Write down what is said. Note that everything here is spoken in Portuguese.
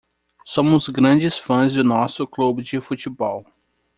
Somos grandes fãs do nosso clube de futebol.